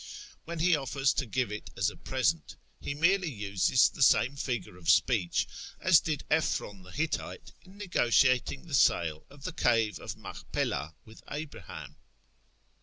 When he offers to give it as a present, he merely uses the same figure of speech as did Ephron the Hittite in negotiating the sale of the cave of Machpelah with Abraham.